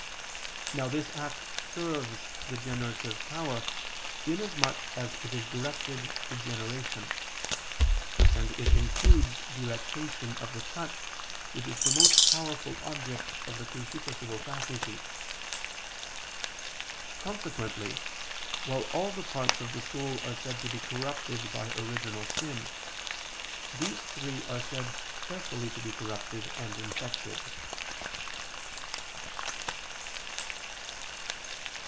Now this act serves the generative power, in as much as it is directed to generation; and it includes delectation of the touch, which is the most powerful object of the concupiscible faculty. Consequently, while all the parts of the soul are said to be corrupted by original sin, these three are said specially to be corrupted and infected.